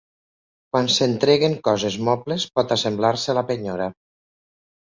Quan s'entreguen coses mobles pot assemblar-se a la penyora.